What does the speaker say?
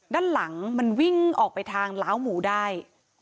ด้านหลังมันวิ่งออกไปทางล้าวหมูได้